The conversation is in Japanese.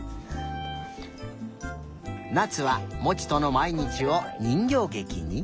なつはモチとのまいにちをにんぎょうげきに！